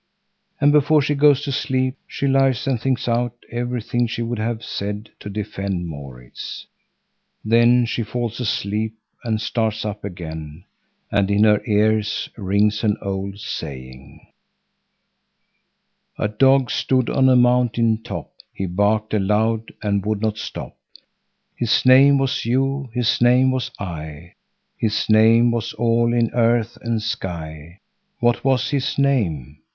And before she goes to sleep, she lies and thinks out everything she would have said to defend Maurits. Then she falls asleep and starts up again, and in her ears rings an old saying:— "A dog stood on a mountain top, He barked aloud and would not stop. His name was you, His name was I, His name was all in Earth and Sky. What was his name?